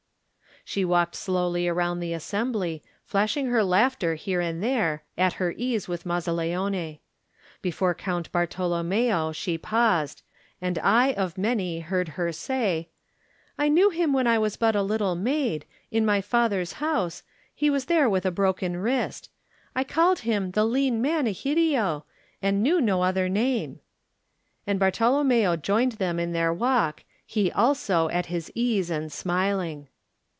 She walked slowly around the assembly, flashing her laughter here and there, at her ease with Mazzaleone. Before Count Bar tolommeo she paused, and I of many heard her say: "I knew him when I was but a little maid ... in my father's house — ^he was there with a broken wrist. I called him *the lean man Egidio,' and knew no other name/' And Bartolommeo joined them in their walk, he also at his ease and smiling.